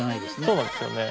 そうなんですよね。